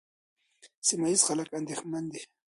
سیمه ییز خلک اندېښمن دي.